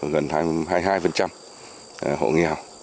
gần hai mươi hai hộ nghèo